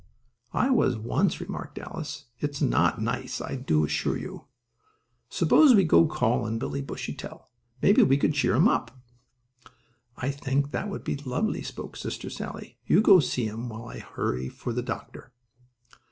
"I was once," remarked Alice, "and it is not nice, I do assure you. Suppose we go call on Billie Bushytail Maybe we could cheer him up." "I think that would be lovely," spoke Sister Sallie. "You go see him, while I hurry for the doctor."